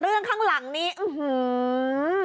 ข้างหลังนี้อื้อหือ